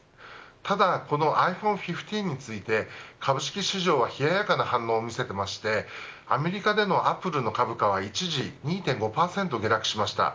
ただこのｉＰｈｏｎｅ１５について株式市場は冷やかな反応を見せていましてアメリカでのアップルの株価は一時、２．５％下落しました。